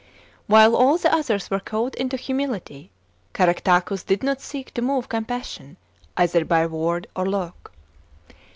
While all the others were cowed into humility, Caractacus did not seek to move compassion either by word or look.